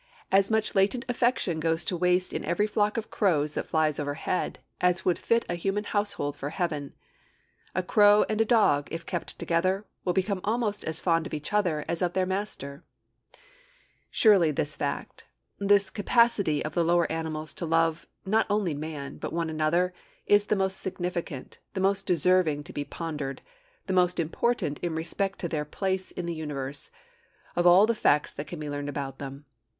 'As much latent affection goes to waste in every flock of crows that flies overhead as would fit a human household for heaven.'[A] A crow and a dog, if kept together, will become almost as fond of each other as of their master. [Note A: Atlantic Monthly, vol. 89, p. 322.] Surely this fact, this capacity of the lower animals to love, not only man, but one another, is the most significant, the most deserving to be pondered, the most important in respect to their place in the universe, of all the facts that can be learned about them.